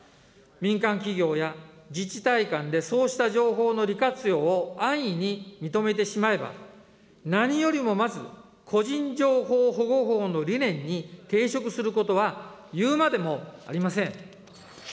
民間企業や自治体間でそうした情報の利活用を安易に認めてしまえば、何よりもまず、個人情報保護法の理念に抵触することは言うまでもありません。